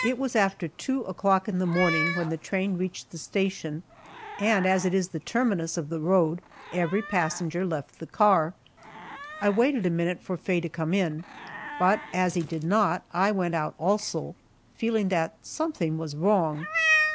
It was after two o'clock in the morning when the train reached the station, and as it is the terminus of the road, every passenger left the car. I waited a minute for Faye to come in, but as he did not I went out also, feeling that something was wrong.